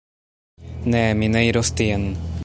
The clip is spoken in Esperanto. Ne, mi ne iros tien.